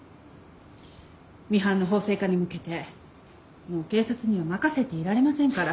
ミハンの法制化に向けてもう警察には任せていられませんから。